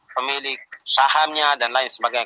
pemilik sahamnya dan lain sebagainya